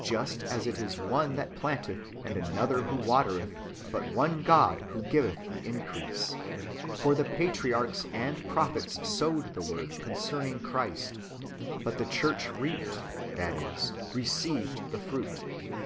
Just as it is one that planteth, and another who watereth, but one God who giveth the increase.^' For the patriarchs and prophets sowed the w^ord [concerning] Christ, but the church reaped, that is, received the fruit.